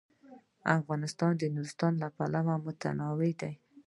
افغانستان د نورستان له پلوه متنوع دی.